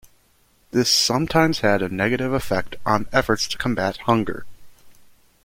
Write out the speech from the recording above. This sometimes had a negative effect on efforts to combat hunger.